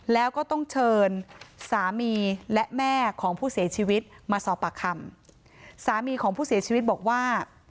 แล้วก็ต้องเชิญสามีและแม่ของผู้เสียชีวิตมาสอบปากคำสามีของผู้เสียชีวิตบอกว่า